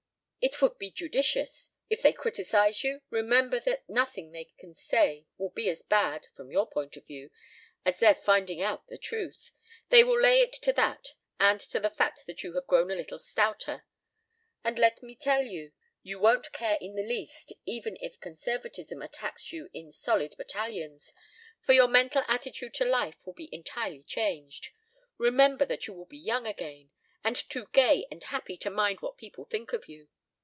"It would be judicious. If they criticize you, remember that nothing they can say will be as bad from your point of view as their finding out the truth. They will lay it to that, and to the fact that you have grown a little stouter. And let me tell you, you won't care in the least, even if conservatism attacks you in solid battalions, for your mental attitude to life will be entirely changed. Remember that you will be young again, and too gay and happy to mind what people think of you.